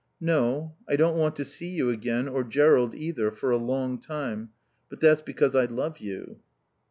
"No. I don't want to see you again, or Jerrold, either, for a long time. But that's because I love you."